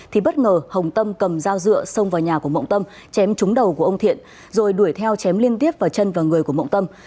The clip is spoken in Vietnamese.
thì bất ngờ hồng tâm cầm dao dựa xông vào nhà của mộng tâm chém trúng đầu của ông thiện rồi đuổi theo chém liên tiếp vào chân và người của mộng tâm